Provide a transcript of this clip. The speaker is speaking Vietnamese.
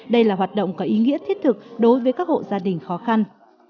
đây là hoạt động có ý nghĩa thiết thực đối với các hộ gia đình khó khăn